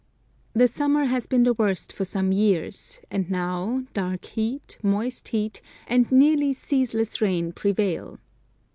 The summer has been the worst for some years, and now dark heat, moist heat, and nearly ceasless rain prevail.